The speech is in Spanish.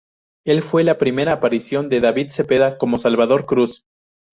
El fue la primera aparición de David Zepeda como Salvador Cruz.